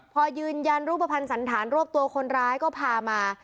พอยืนยันรูปภัณฑ์สันธารรวบตัวคนร้ายก็พามา